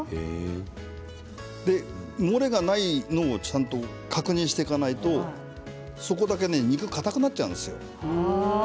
漏れがないことを確認していかないとそこだけ肉がかたくなってしまうんです。